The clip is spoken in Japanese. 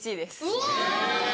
うわ！